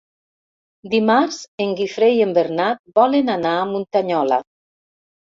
Dimarts en Guifré i en Bernat volen anar a Muntanyola.